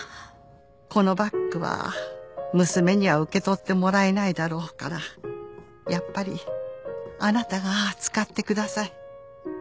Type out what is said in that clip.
「このバッグは娘には受け取ってもらえないだろうからやっぱりあなたが使ってください」